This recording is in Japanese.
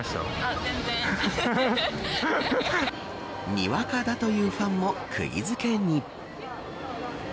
にわかだというファンもくぎ付けに。